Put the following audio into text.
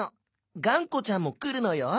がんこちゃんもくるのよ。